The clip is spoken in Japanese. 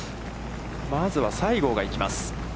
まずは、西郷が行きます。